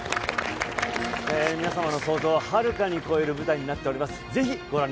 皆様の想像をはるかに超える舞台となっております。